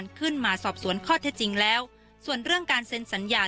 และก็ไม่ได้ยัดเยียดให้ทางครูส้มเซ็นสัญญา